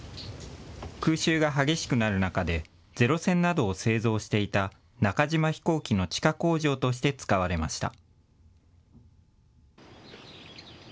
空襲が激しくなる中でゼロ戦などを製造していた中島飛行機の地下工場として使われました。